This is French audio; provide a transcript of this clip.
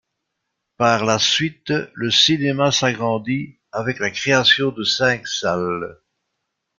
Par la suite, le cinéma s'agrandit avec la création de cinq salles.